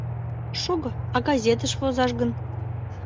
Шого, а газетыш возаш гын?